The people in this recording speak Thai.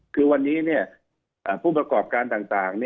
คือวันนี้ผู้ประกอบการต่าง